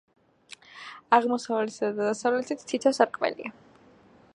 აღმოსავლეთითა და დასავლეთით თითო სარკმელია.